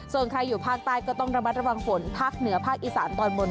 ส่วนใครอยู่ภาคใต้ก็ต้องระมัดระวังฝนภาคเหนือภาคอีสานตอนบน